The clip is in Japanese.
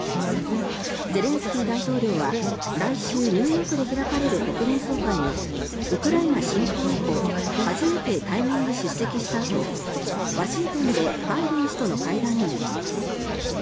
ゼレンスキー大統領は来週、ニューヨークで開かれる国連総会にウクライナ侵攻以降初めて対面で出席したあとワシントンでバイデン氏との会談に臨みます。